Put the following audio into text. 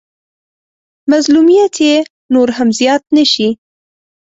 مظلوميت يې نور هم زيات نه شي.